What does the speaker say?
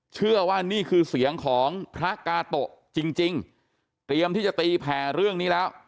เชื่อว่านี่คือเสียงของพระกาโตะจริงเตรียมที่จะตีแผ่เรื่องนี้แล้ว